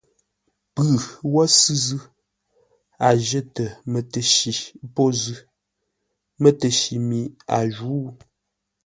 Pʉ wə́ sʉ̂ zʉ́, a jətə mətəshi pô zʉ́, mətəshi mi a jǔ.